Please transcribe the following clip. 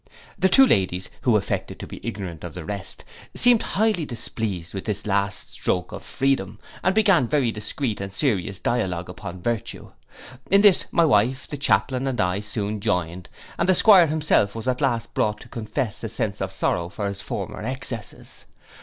The two ladies, who affected to be ignorant of the rest, seemed highly displeased with this last stroke of freedom, and began a very discreet and serious dialogue upon virtue: in this my wife, the chaplain, and I, soon joined; and the 'Squire himself was at last brought to confess a sense of sorrow for his former excesses.